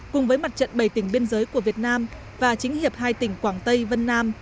cùng với mặt trận bảy tỉnh biên giới của việt nam và chính hiệp hai tỉnh quảng tây vân nam